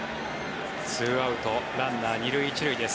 ２アウトランナー２塁１塁です。